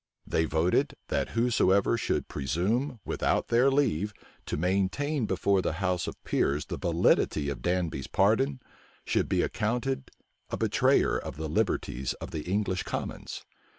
They voted, that whoever should presume, without their leave, to maintain before the house of peers the validity of Danby's pardon, should be accounted a betrayer of the liberties of the English commons.